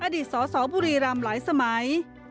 อดีตสสบุรีรำหลายสมัย